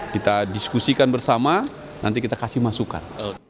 kita diskusikan bersama nanti kita kasih masukan